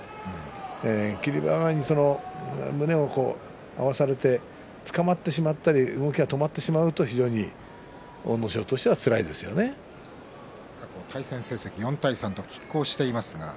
霧馬山に胸を合わされてつかまってしまったり動きが止まってしまったりすると過去の対戦成績は４対３ときっ抗しています。